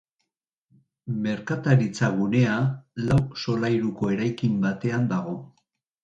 Merkataritza-gunea lau solairuko eraikin batean dago.